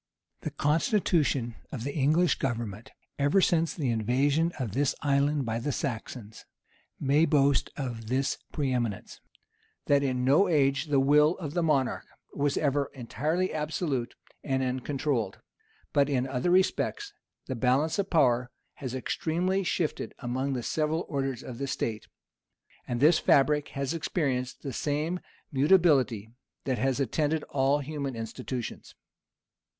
The constitution of the English government, ever since the invasion of this island by the Saxons, may boast of this pre eminence, that in no age the will of the monarch was ever entirely absolute and uncontrolled; but in other respects the balance of power has extremely shifted among the several orders of the state; and this fabric has experienced the same mutability that has attended all human institutions.